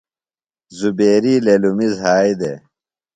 زبیری للمیۡ زھائی دےۡ۔